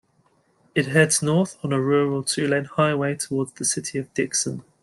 It heads north on a rural two-lane highway towards the city of Dixon.